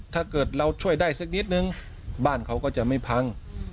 ถ้าเกิดเราช่วยได้สักนิดนึงบ้านเขาก็จะไม่พัง